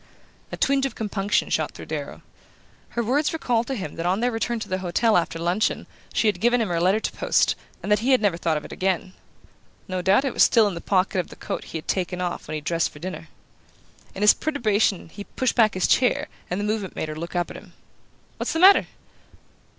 A twinge of compunction shot through Darrow. Her words recalled to him that on their return to the hotel after luncheon she had given him her letter to post, and that he had never thought of it again. No doubt it was still in the pocket of the coat he had taken off when he dressed for dinner. In his perturbation he pushed back his chair, and the movement made her look up at him. "What's the matter?"